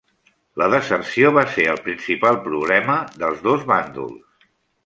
La deserció va ser el principal problema dels dos bàndols.